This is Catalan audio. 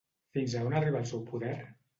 Fins a on arriba el seu poder?